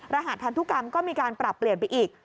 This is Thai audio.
รหัสพันธุกรรมก็มีการปรับเปลี่ยนไปอีก